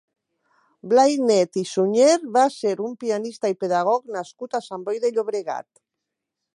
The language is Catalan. Blai Net i Sunyer va ser un pianista i pedagog nascut a Sant Boi de Llobregat.